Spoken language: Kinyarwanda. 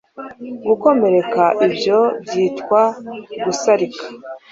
Gukomereka ibyo byitwa Gusarika